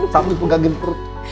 sambil pegangin perut